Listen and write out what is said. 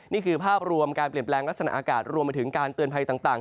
นี่คือภาพรวมการเปลี่ยนแปลงลักษณะอากาศรวมไปถึงการเตือนภัยต่าง